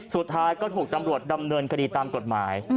สุดท้ายก็ถูกตำรวจดำเนินคดีตามกฎหมาย